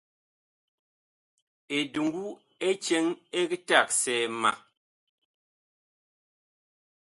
Eduŋgu ɛ cɛŋ ɛg tagsɛɛ ma.